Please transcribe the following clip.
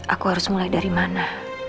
aku harus mulai dari mana